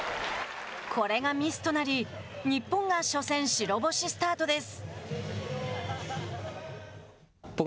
これがミスとなり日本が初戦白星スタートです。